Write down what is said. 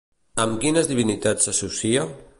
Amb quines divinitats s'associa?